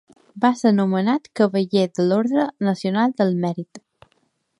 Va ser nomenat Cavaller de l'Orde Nacional del Mèrit.